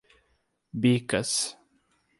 Bicas